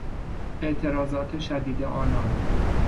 اعتراضات شدید آنان